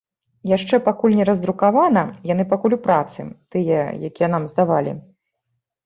Яшчэ пакуль не раздрукавана, яны пакуль у працы, тыя, якія нам здавалі.